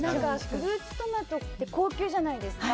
フルーツトマトって高級じゃないですか？